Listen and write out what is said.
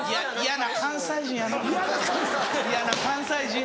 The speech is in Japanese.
嫌な関西人。